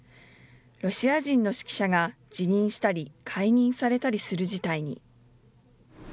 ロシア人の指揮者が辞任したり解任されたりする事態に。